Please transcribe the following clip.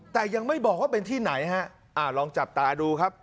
แต่ยังไม่บอกว่าเป็นที่ไหนฮะอ่าลองจับตาดูครับ